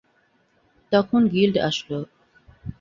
তখন গিল্ড আসলো।